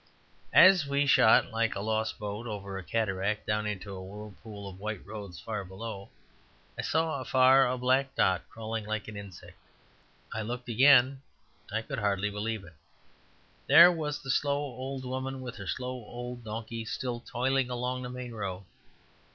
As we shot like a lost boat over a cataract down into a whirlpool of white roads far below, I saw afar a black dot crawling like an insect. I looked again: I could hardly believe it. There was the slow old woman, with her slow old donkey, still toiling along the main road.